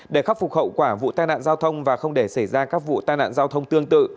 để khắc phục hậu quả vụ tai nạn giao thông và không để xảy ra các vụ tai nạn giao thông tương tự